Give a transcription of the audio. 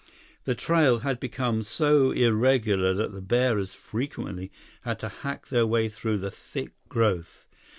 The trail had become so irregular that the bearers frequently had to hack their way through the thick growth.